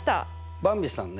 ばんびさんね